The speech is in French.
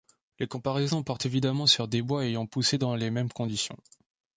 Les comparaisons portent évidemment sur des bois ayant poussé dans les mêmes conditions.